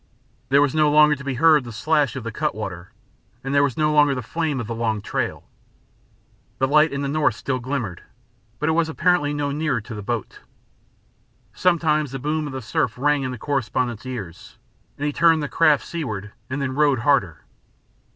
There was no longer to be heard the slash of the cut water, and there was no longer the flame of the long trail. The light in the north still glimmered, but it was apparently no nearer to the boat. Sometimes the boom of the surf rang in the correspondent's ears, and he turned the craft seaward then and rowed harder.